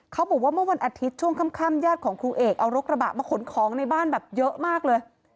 เขาบอกว่าเมื่อวันอาทิตย์ช่วงค่ำญาติของครูเอกเอารกระบะมาขนของในบ้านแบบเยอะมากเลย